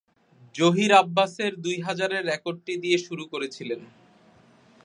জহির আব্বাসের দুই হাজারের রেকর্ডটি দিয়ে শুরু করেছিলেন।